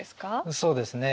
そうですね。